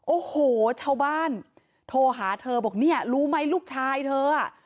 โอ้โหชาวบ้านโทรหาเธอบอกเนี่ยรู้ไหมลูกชายเธออ่ะ